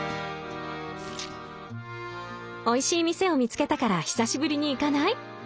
「おいしい店を見つけたから久しぶりに行かない？